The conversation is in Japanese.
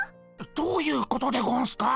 どういうことでゴンスか？